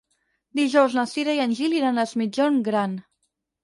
Dijous na Cira i en Gil iran a Es Migjorn Gran.